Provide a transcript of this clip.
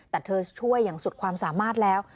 แต่เธอช่วยอย่างสุดความสามารถแล้ว